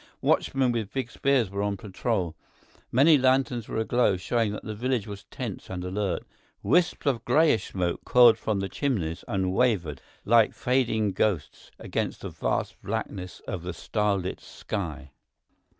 Watchmen with big spears were on patrol. Many lanterns were aglow, showing that the village was tense and alert. Wisps of grayish smoke coiled from the chimneys and wavered, like fading ghosts, against the vast blackness of the starlit sky.